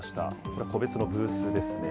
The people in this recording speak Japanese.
これ、個別のブースですね。